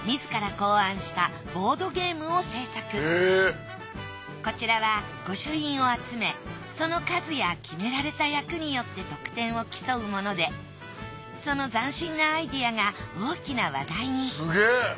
更にこちらは御朱印をあつめその数や決められた役によって得点を競うものでその斬新なアイデアが大きな話題に。